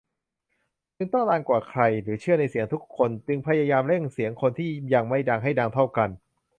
จึงต้องดังกว่าใคร หรือเชื่อในเสียงของทุกคน จึงพยายามเร่งเสียงคนที่ยังไม่ดัง ให้ดังเท่ากัน ?